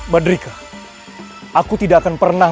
madrika aku tidak akan pernah